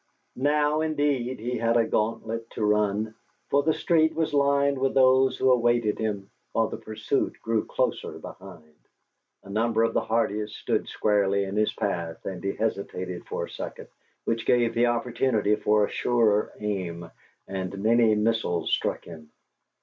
Now indeed he had a gauntlet to run; for the street was lined with those who awaited him, while the pursuit grew closer behind. A number of the hardiest stood squarely in his path, and he hesitated for a second, which gave the opportunity for a surer aim, and many missiles struck him.